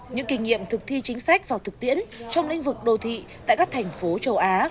những kinh nghiệm thực thi chính sách vào thực tiễn trong lĩnh vực đô thị tại các thành phố châu á